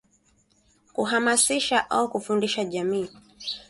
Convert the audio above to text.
Kuhamasisha au kufundisha jamii